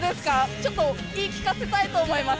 ちょっと言い聞かせたいと思います